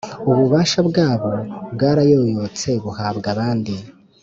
Ububasha bwabo bwarayoyotse, buhabwa abandi,